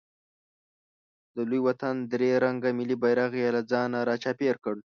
د لوی وطن درې رنګه ملي بیرغ یې له ځانه راچاپېر کړ.